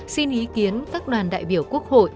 xin ý kiến các đoàn đại biểu quốc hội